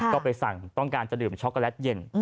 ก็ไปสั่งต้องการจะดื่มช็อกโกแลตเย็น